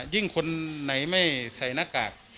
คนไหนไม่ใส่หน้ากาก